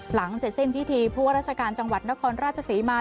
หลังเสร็จเส้นพิธีพวกราชการจังหวัดนครราชสีมา